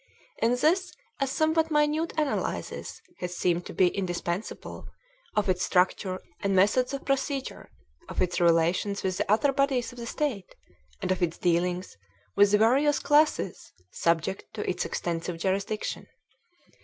In this a somewhat minute analysis has seemed to be indispen sable of its structure and methods of procedure, of its relations with the other bodies of the State and of its dealings with the various classes subject to its extensive jurisdiction.